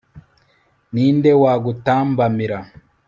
ni nde wagutambamira